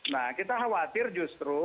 nah kita khawatir justru